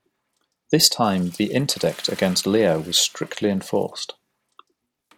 This time the interdict against Leo was strictly enforced.